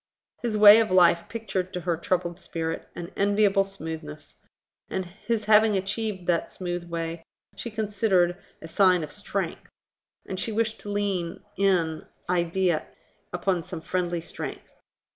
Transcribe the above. His way of life pictured to her troubled spirit an enviable smoothness; and his having achieved that smooth way she considered a sign of strength; and she wished to lean in idea upon some friendly strength.